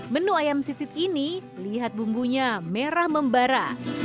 menu ayam sisit ini lihat bumbunya merah membara